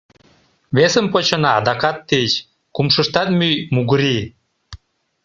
Весым почына — адакат тич, кумшыштат мӱй — мугыри.